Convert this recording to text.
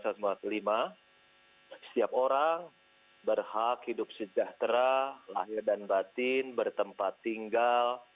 setiap orang berhak hidup sejahtera lahir dan batin bertempat tinggal